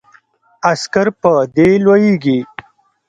عسکر په دې لویږي.